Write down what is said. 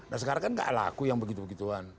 nah sekarang kan gak laku yang begitu begituan